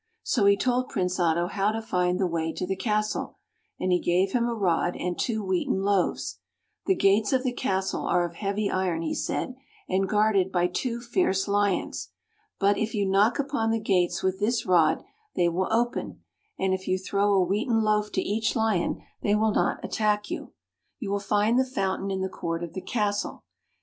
So he told Prince Otto how to find the way to the castle, and he gave him a rod, and two wheaten loaves. " The gates of the castle are of heavy iron," he said, " and guarded by two fierce lions. But if you knock upon the gates with this rod, they will open; and if you throw a wheaten loaf to each lion, they will not attack you. You will find the fountain in the court of the castle.